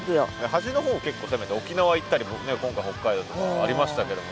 端のほう結構攻めて沖縄行ったり今回北海道とかありましたけども。